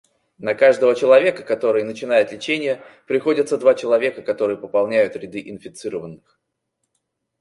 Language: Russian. На каждого человека, который начинает лечение, приходятся два человека, которые пополняют ряды инфицированных.